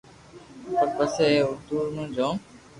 پر پسي بي اورو جو جوم